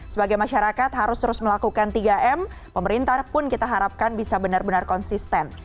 sebagai masyarakat harus terus melakukan tiga m pemerintah pun kita harapkan bisa benar benar konsisten